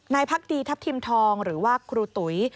พักดีทัพทิมทองหรือว่าครูตุ๋ย